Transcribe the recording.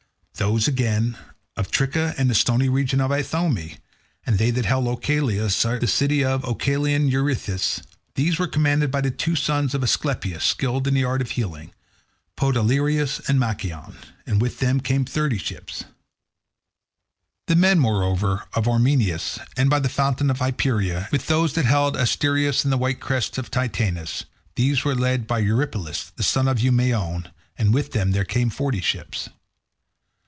Those, again, of Tricca and the stony region of Ithome, and they that held Oechalia, the city of Oechalian Eurytus, these were commanded by the two sons of Aesculapius, skilled in the art of healing, Podalirius and Machaon. And with them there came thirty ships. The men, moreover, of Ormenius, and by the fountain of Hypereia, with those that held Asterius, and the white crests of Titanus, these were led by Eurypylus, the son of Euaemon, and with them there came forty ships.